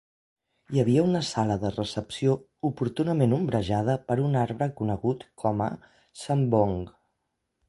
Hi havia una sala de recepció oportunament ombrejada per un arbre conegut com a "sambong".